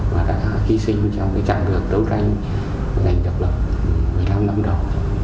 và đã kỳ sinh trong trận lượng đấu tranh ngành độc lập một mươi năm năm đầu